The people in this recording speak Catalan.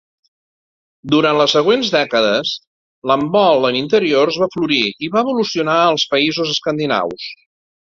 Durant les següent dècades, l'handbol en interiors va florir i va evolucionar als països escandinaus.